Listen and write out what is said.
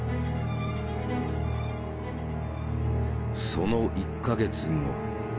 その１か月後。